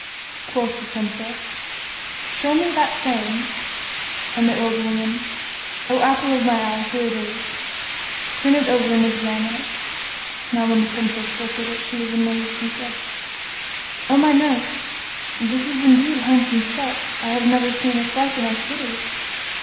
Quoth the Princess, "Show me that same"; and the old woman, "O apple of my eye, here it is, turn it over and examine it." Now when the Princess looked at it she was amazed and said, "O my nurse, this is indeed handsome stuff: I have never seen its like in our city."